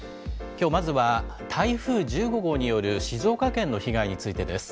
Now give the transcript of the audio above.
きょうまずは台風１５号による静岡県の被害についてです。